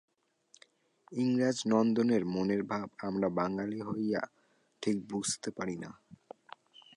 ইংরাজনন্দনের মনের ভাব আমরা বাঙালি হইয়া ঠিক বুঝিতে পারি না।